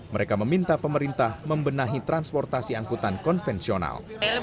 mereka meminta pemerintah membenahi transportasi angkutan konvensional